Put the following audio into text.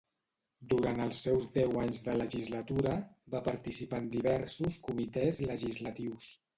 Durant els seus deu anys de legislatura, va participar en diversos comitès legislatius.